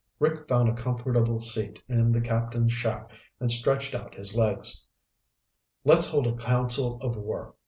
Rick found a comfortable seat in the captain's shack and stretched out his legs. "Let's hold a council of war.